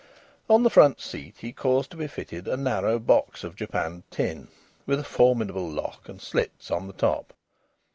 On the front seat he caused to be fitted a narrow box of japanned tin, with a formidable lock and slits on the top.